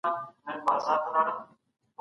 د هند اقتصاد څنګه د کرني پر بنسټ ولاړ و؟